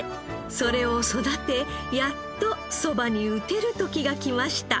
それを育てやっとそばに打てる時が来ました。